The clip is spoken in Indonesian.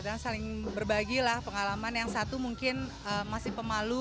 dan saling berbagi lah pengalaman yang satu mungkin masih pemalu